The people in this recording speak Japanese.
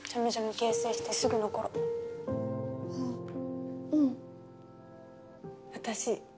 結成してすぐの頃あっうん私